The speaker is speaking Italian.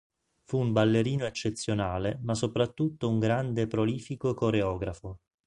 Fu un ballerino eccezionale ma soprattutto un grande e prolifico coreografo.